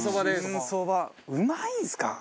うまいんすか？